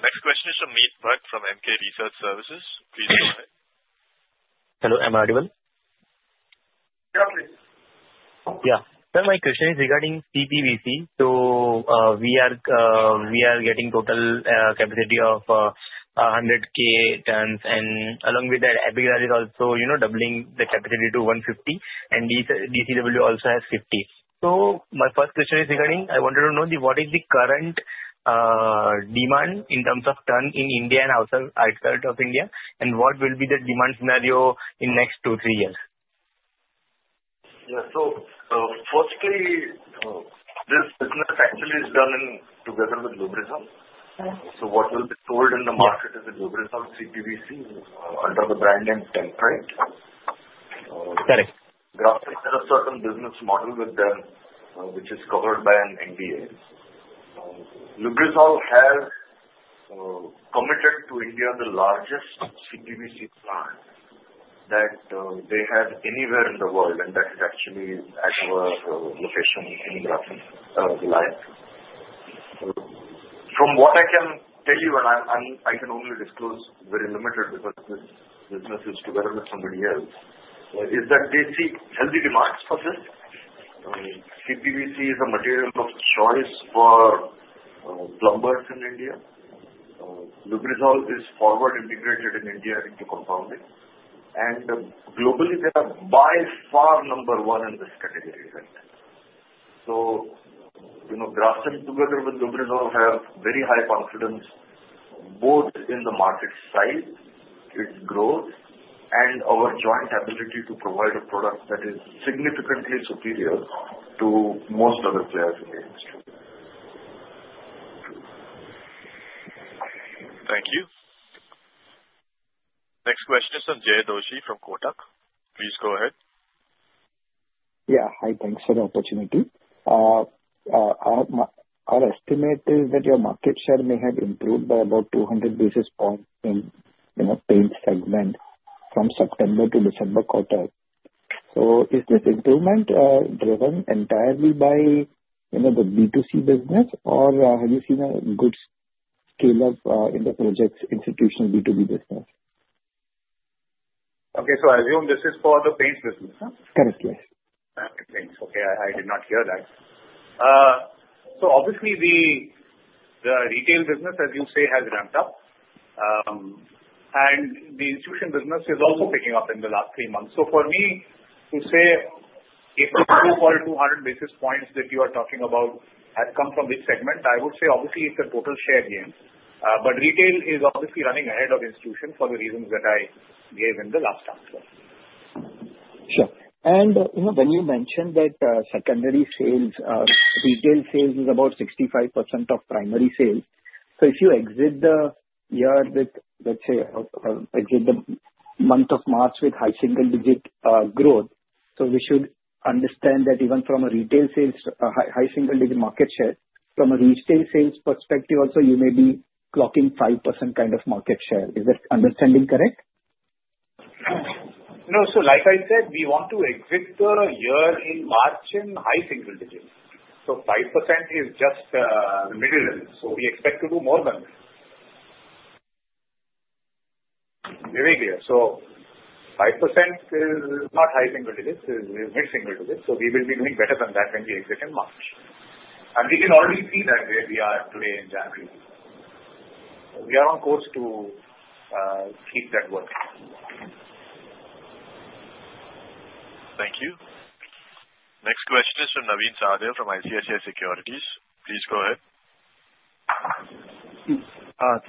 Next question is from Meet Parikh from Emkay Research. Please go ahead. Hello. Am I audible? Yeah, please. Yeah. So my question is regarding CPVC. So we are getting total capacity of 100K tons. Along with that, Epigral is also doubling the capacity to 150, and DCW also has 50. So my first question is regarding, I wanted to know what is the current demand in terms of ton in India and outside of India, and what will be the demand scenario in the next two, three years? Yeah. So firstly, this business actually is done together with Lubrizol. So what will be sold in the market is a Lubrizol CPVC under the brand name Temprite. Correct. Grasim has a certain business model with them which is covered by an NDA. Lubrizol has committed to India the largest CPVC plant that they have anywhere in the world, and that is actually at our location in Gujarat. From what I can tell you, and I can only disclose very limited because this business is together with somebody else, is that they see healthy demands for this. CPVC is a material of choice for plumbers in India. Lubrizol is forward integrated in India into compounding. And globally, they are by far number one in this category. So Grasim together with Lubrizol have very high confidence both in the market size, its growth, and our joint ability to provide a product that is significantly superior to most other players in the industry. Thank you. Next question is from Jay Doshi from Kotak. Please go ahead. Yeah. Hi. Thanks for the opportunity. Our estimate is that your market share may have improved by about 200 basis points in paint segment from September to December quarter. So is this improvement driven entirely by the B2C business, or have you seen a good scale-up in the projects, institutional B2B business? Okay. So I assume this is for the paint business, huh? Correct. Yes. Paints. Okay. I did not hear that. So obviously, the retail business, as you say, has ramped up. And the institutional business is also picking up in the last three months. So for me to say if the 200 basis points that you are talking about have come from this segment, I would say obviously it's a total share gain. But retail is obviously running ahead of institution for the reasons that I gave in the last answer. Sure. And when you mentioned that secondary sales, retail sales is about 65% of primary sales. So if you exit the year with, let's say, exit the month of March with high-single-digit growth, so we should understand that even from a retail sales, high-single-digit market share, from a retail sales perspective also, you may be clocking 5% kind of market share. Is that understanding correct? No. So like I said, we want to exit the year in March high-single-digits. so 5% is just the middle level. So we expect to do more than that. Very clear. So 5% is high-single-digits. it is mid-single digits. So we will be doing better than that when we exit in March. And we can already see that where we are today in January. We are on course to keep that work. Thank you. Next question is from Navin Sahadeo from ICICI Securities. Please go ahead.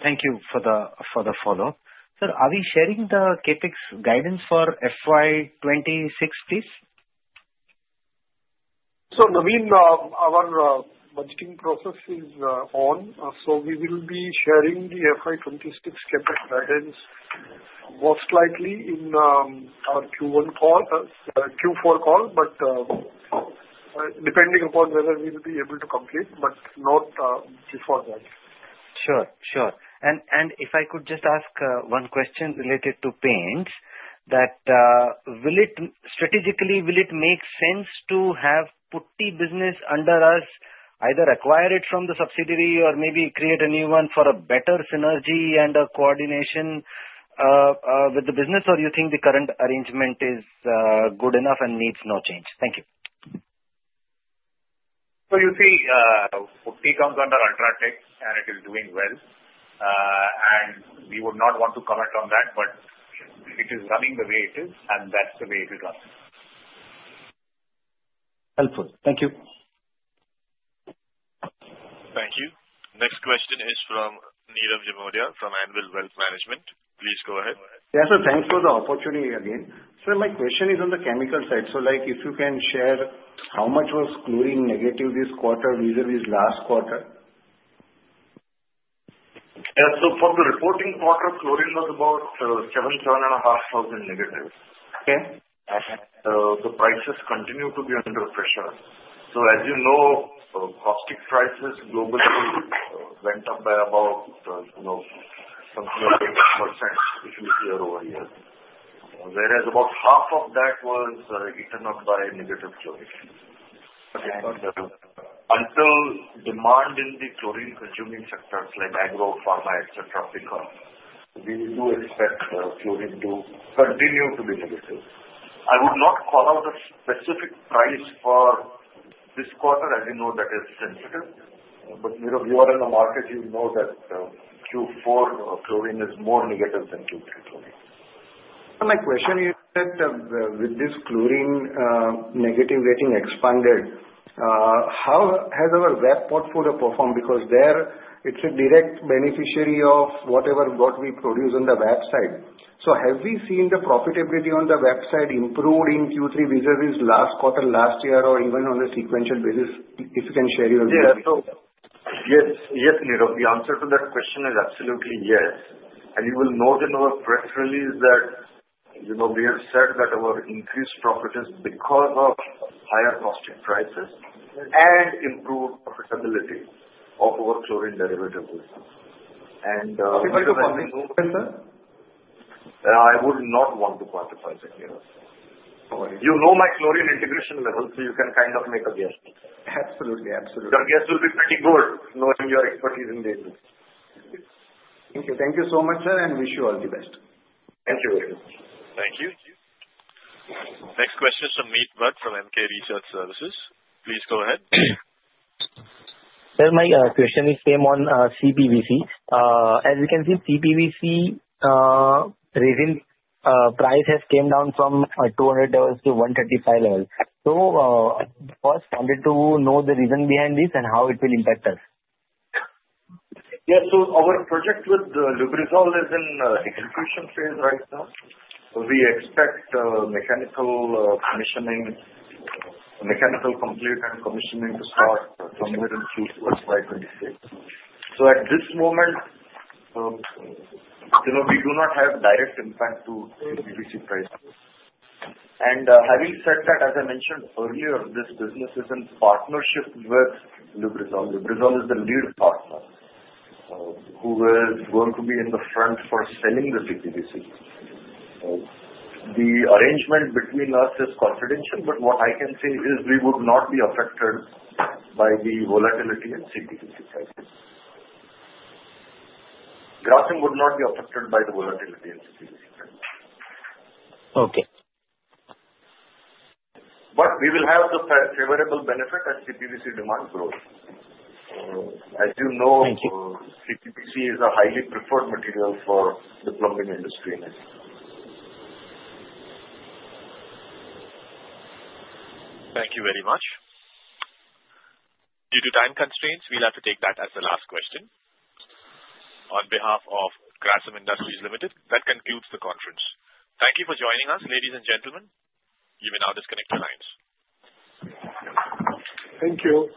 Thank you for the follow-up. Sir, are we sharing the CapEx guidance for FY 2026, please? So Navin, our budgeting process is on. So we will be sharing the FY 2026 CapEx guidance most likely in our Q4 call, but depending upon whether we will be able to complete, but not before that. Sure, sure. And if I could just ask one question related to paints, that strategically, will it make sense to have putty business under us, either acquire it from the subsidiary or maybe create a new one for a better synergy and coordination with the business, or do you think the current arrangement is good enough and needs no change? Thank you. So you see, putty comes under UltraTech, and it is doing well. And we would not want to comment on that, but it is running the way it is, and that's the way it is running. Helpful. Thank you. Thank you. Next question is from Nirav Jimudia from Anvil Wealth Management. Please go ahead. Yes, sir. Thanks for the opportunity again. Sir, my question is on the chemical side. So if you can share how much was chlorine negative this quarter vis-à-vis last quarter? Yeah. So for the reporting quarter, chlorine was about 7,000, 7,500 negative. And the prices continue to be under pressure. So as you know, caustic prices globally went up by about something like 8% if you look year over year. Whereas about half of that was eaten up by negative chlorine. Until demand in the chlorine-consuming sectors like agro, pharma, etc., pick up, we do expect chlorine to continue to be negative. I would not call out a specific price for this quarter, as you know, that is sensitive. But you are in the market, you know that Q4 chlorine is more negative than Q3 chlorine. So my question is that with this chlorine negative realization expanded, how has our web portfolio performed? Because there, it's a direct beneficiary of whatever we produce on the VAP side. So have we seen the profitability on the VAP side improve in Q3 vis-à-vis last quarter, last year, or even on a sequential basis? If you can share your views. Yes. Yes, Nirav. The answer to that question is absolutely yes. And you will note in our press release that we have said that our increased profit is because of higher caustic prices and improved profitability of our chlorine derivatives. And. What do you want me to know, sir? I would not want to quantify that. You know my chlorine integration level, so you can kind of make a guess. Absolutely. Absolutely. Your guess will be pretty good knowing your expertise in the industry. Thank you. Thank you so much, sir, and wish you all the best. Thank you very much. Thank you. Next question is from Meet Parikh from Emkay Research. Please go ahead. Sir, my question is same on CPVC. As you can see, CPVC realization price has come down from 200 levels to 135 levels. So first, wanted to know the reason behind this and how it will impact us. Yeah. So our project with Lubrizol is in execution phase right now. We expect mechanical completion and commissioning to start somewhere in Q2 or Q3. So at this moment, we do not have direct impact to CPVC prices. And having said that, as I mentioned earlier, this business is in partnership with Lubrizol. Lubrizol is the lead partner who is going to be in the front for selling the CPVC. The arrangement between us is confidential, but what I can say is we would not be affected by the volatility in CPVC prices. Grasim would not be affected by the volatility in CPVC prices. Okay. But we will have the favorable benefit as CPVC demand grows. As you know, CPVC is a highly preferred material for the plumbing industry in India. Thank you very much. Due to time constraints, we'll have to take that as the last question on behalf of Grasim Industries Ltd. That concludes the conference. Thank you for joining us, ladies and gentlemen. You may now disconnect your lines. Thank you.